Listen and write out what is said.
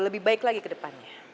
lebih baik lagi ke depannya